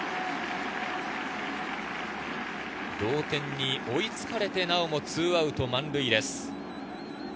同点に追いつかれて、なお２アウト満塁です。